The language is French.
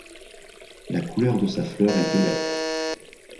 La couleur de sa fleur est violette.